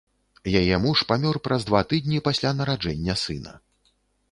Яе муж памёр праз два тыдні пасля нараджэння сына.